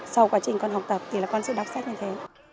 sau quá trình con học tập thì là con sẽ đọc sách như thế